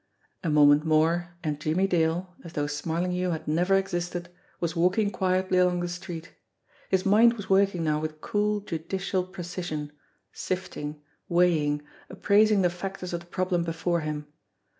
A moment more, and Jimmie Dale, as though Smarlinghue had never existed, was walking quietly along the street. His mind was working now with cool, judicial precision, sifting, weighing, appraising the factors of the problem before him.